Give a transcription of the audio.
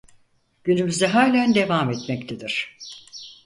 Günümüzde halen devam etmektedir.